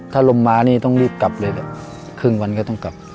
ถ้าลมมานี่ต้องรีบกลับเลยแหละครึ่งวันก็ต้องกลับ